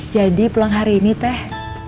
jadi pulang hari ini teh